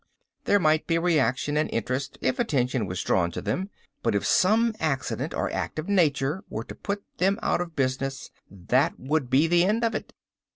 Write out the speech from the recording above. There might be reaction and interest if attention was drawn to them. But if some accident or act of nature were to put them out of business, that would be the end of it."